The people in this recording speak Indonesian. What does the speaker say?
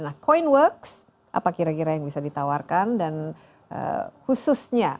nah coinworks apa kira kira yang bisa ditawarkan dan khususnya